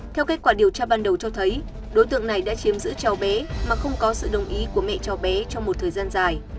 theo kết quả điều tra ban đầu cho thấy đối tượng này đã chiếm giữ cháu bé mà không có sự đồng ý của mẹ cháu bé trong một thời gian dài